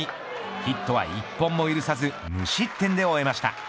ヒットは１本も許さず無失点で終えました。